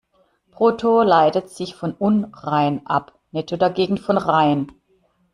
Brutto leitet sich von "unrein" ab, netto dagegen von "rein".